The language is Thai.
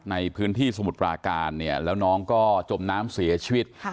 ในพื้นที่สมุทรปราการเนี่ยแล้วน้องก็จมน้ำเสียชีวิต